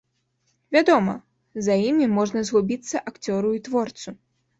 Вядома, за імі можна згубіцца акцёру і творцу.